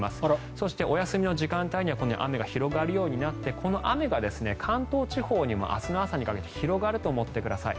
そしてお休みの時間帯にはこの雨が広がるようになってこの雨が関東地方にも明日の朝にかけて広がると思ってください。